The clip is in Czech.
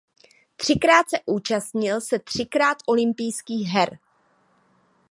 Třikrát se účastnil se třikrát olympijských her.